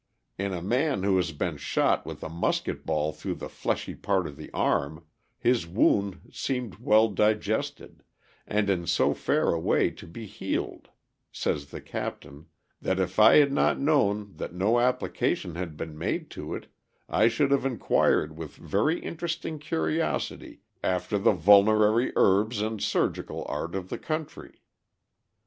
In a man who had been shot with a musket ball through the fleshy part of the arm, 'his wound seemed well digested, and in so fair a way to be healed,' says the Captain, 'that if I had not known that no application had been made to it, I should have inquired with very interesting curiosity after the vulnerary herbs and surgical art of the country.